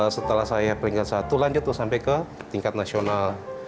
setelah saya peringkat satu lanjut sampai ke tingkat nasional